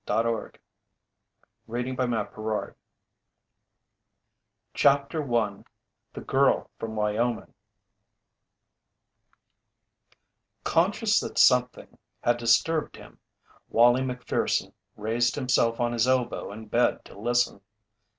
"And Just Then " 301 THE DUDE WRANGLER CHAPTER I THE GIRL FROM WYOMING Conscious that something had disturbed him, Wallie Macpherson raised himself on his elbow in bed to listen.